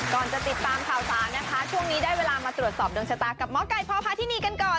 ก่อนจะติดตามข่าวสารนะคะช่วงนี้ได้เวลามาตรวจสอบดวงชะตากับหมอไก่พอพาที่นี่กันก่อน